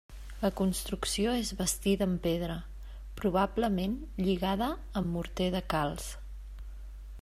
La construcció és bastida en pedra, probablement lligada amb morter de calç.